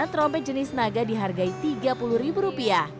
trompet jenis naga dihargai tiga puluh rupiah